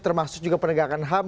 termasuk juga penegakan ham